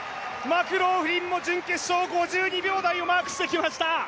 マクローフリンも準決勝５２秒台をマークしてきました。